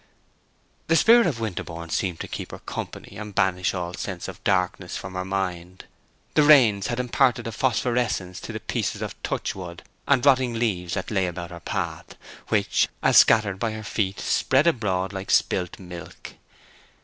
The spirit of Winterborne seemed to keep her company and banish all sense of darkness from her mind. The rains had imparted a phosphorescence to the pieces of touchwood and rotting leaves that lay about her path, which, as scattered by her feet, spread abroad like spilt milk.